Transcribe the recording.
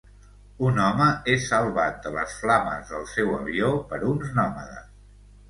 Un home és salvat de les flames del seu avió per uns nòmades.